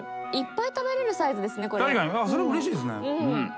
確かにそれうれしいですね。